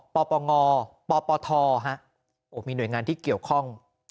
ปปงปปทมีหน่วยงานที่เกี่ยวข้อง